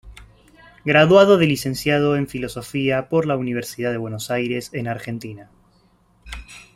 Graduado de licenciado en filosofía por la Universidad de Buenos Aires en Argentina.